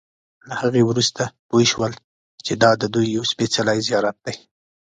له هغې وروسته پوی شول چې دا ددوی یو سپېڅلی زیارت دی.